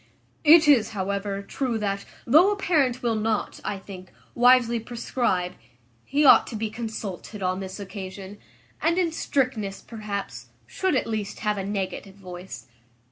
"It is, however, true that, though a parent will not, I think, wisely prescribe, he ought to be consulted on this occasion; and, in strictness, perhaps, should at least have a negative voice.